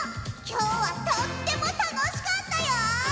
きょうはとってもたのしかったよ！